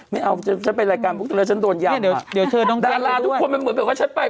ไม่เอาฉันไปรายการพวกนี้เลยฉันโดนยามดาลาทุกคนเหมือนใดว่าฉันไป